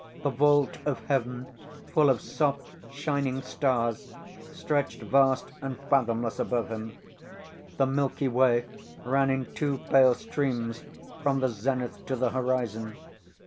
The vault of heaven, full of soft, shining stars, stretched vast and fathomless above him. The Milky Way ran in two pale streams from the zenith to the horizon.